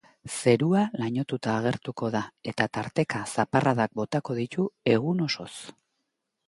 Zerua lainotuta agertuko da, eta tarteka zaparradak botako ditu egun osoz.